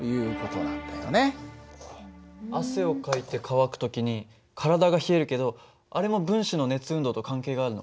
汗をかいて乾く時に体が冷えるけどあれも分子の熱運動と関係があるの？